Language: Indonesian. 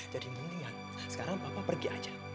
jadi kebetulan sekarang papa pergi aja